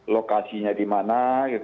lokasinya di mana